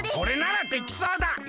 それならできそうだ！